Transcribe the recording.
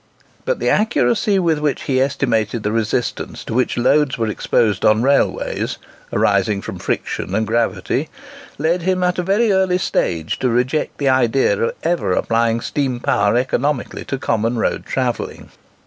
But the accuracy with which he estimated the resistance to which loads were exposed on railways, arising from friction and gravity, led him at a very early stage to reject the idea of ever applying steam power economically to common road travelling.